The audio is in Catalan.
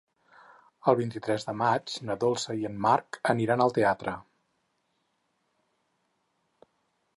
El vint-i-tres de maig na Dolça i en Marc aniran al teatre.